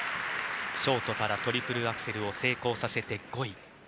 ショートからトリプルアクセルを成功させて５位。